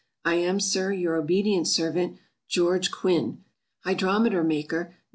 I am, SIR, Your obedient servant, GEORGE QUIN, Hydrometer maker. No.